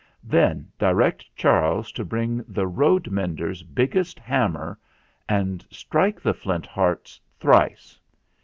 Then direct Charles to bring the road mender's big gest hammer and strike the Flint Heart thrice.